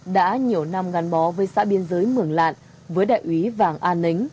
đã nhiều năm gắn bó với xã biên giới mường lạn với đại úy vàng an nính